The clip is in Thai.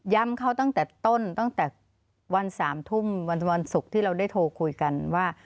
เขาตั้งแต่ต้นตั้งแต่วัน๓ทุ่มวันศุกร์ที่เราได้โทรคุยกันว่า